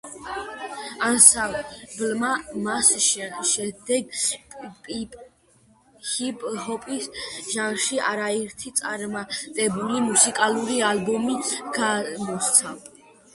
ანსამბლმა მას შემდეგ ჰიპ-ჰოპის ჟანრში არაერთი წარმატებული მუსიკალური ალბომი გამოსცა.